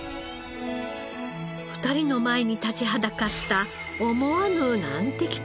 ２人の前に立ちはだかった思わぬ難敵とは？